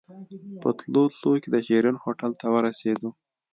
په تلو تلو کې د شيرين هوټل ته ورسېدو.